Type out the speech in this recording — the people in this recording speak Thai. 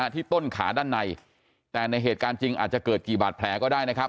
ที่ต้นขาด้านในแต่ในเหตุการณ์จริงอาจจะเกิดกี่บาดแผลก็ได้นะครับ